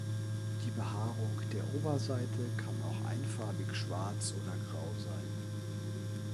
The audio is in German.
Die Behaarung der Oberseite kann auch einfarbig schwarz oder grau sein.